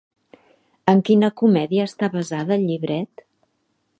En quina comèdia està basada el llibret?